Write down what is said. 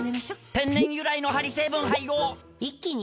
天然由来のハリ成分配合一気に！